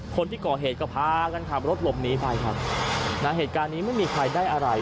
คนที่ก่อเหตุก็พากันขับรถหลบหนีไปครับนะเหตุการณ์นี้ไม่มีใครได้อะไร